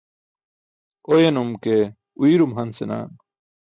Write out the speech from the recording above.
Oyanum ke uuyrum han senaa.